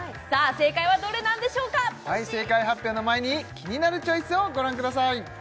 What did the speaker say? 正解はどれなんでしょうかはい正解発表の前に「キニナルチョイス」をご覧ください